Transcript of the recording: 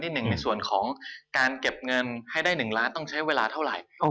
หนึ่งในส่วนของการเก็บเงินให้ได้๑ล้านต้องใช้เวลาเท่าไหร่